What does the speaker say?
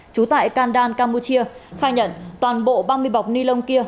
trú tại kandan campuchia khai nhận toàn bộ ba mươi bọc ni lông kia